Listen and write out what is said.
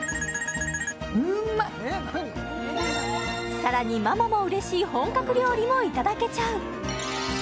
さらにママもうれしい本格料理もいただけちゃう